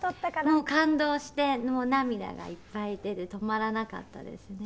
「もう感動して涙がいっぱい出て止まらなかったですね」